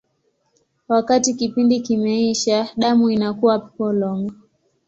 Wakati kipindi kimeisha, damu inakuwa polong.